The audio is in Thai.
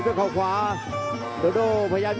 โอ้โหไม่พลาดกับธนาคมโด้แดงเขาสร้างแบบนี้